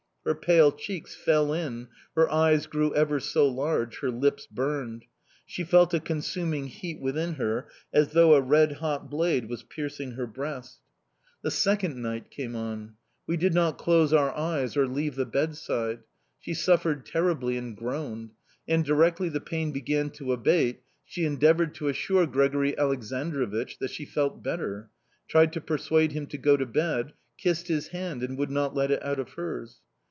Her pale cheeks fell in, her eyes grew ever so large, her lips burned. She felt a consuming heat within her, as though a red hot blade was piercing her breast. "The second night came on. We did not close our eyes or leave the bedside. She suffered terribly, and groaned; and directly the pain began to abate she endeavoured to assure Grigori Aleksandrovich that she felt better, tried to persuade him to go to bed, kissed his hand and would not let it out of hers.